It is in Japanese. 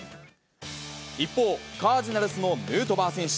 一方、カージナルスのヌートバー選手。